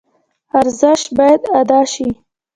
ارزش باید ادا شي.